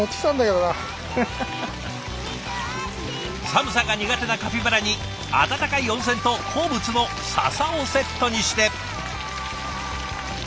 寒さが苦手なカピバラに温かい温泉と好物のササをセットにして。